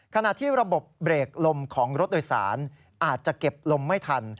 ขณะที่ระบบเบรกลมของรถโดยสารอาจจะเก็บลมไม่ทัน